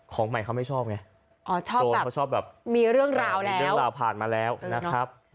ของใหม่เค้าไม่ชอบไงเค้าชอบแบบมีเรื่องราวผ่านมาแล้วนะครับ